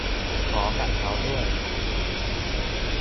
ขอกะเค้าด้วย